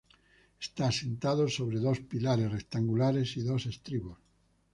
Está asentado sobre dos pilares rectangulares y dos estribos.